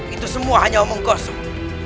itu semua hanya omong kosong